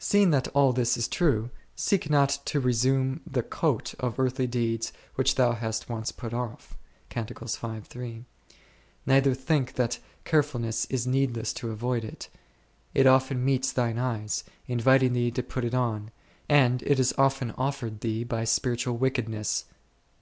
Seeing that all this is true, seek not to resume the coat of earthly deeds which thou hast once put off f ; neither think that carefulness is needless to avoid it, it often meets thine eyes, inviting thee to put it on, and it is often offered thee by spiritual wickedness.